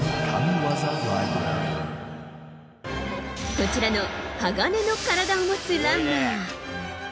こちらの鋼の体を持つランナー。